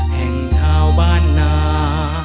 แห่งชาวบ้านนา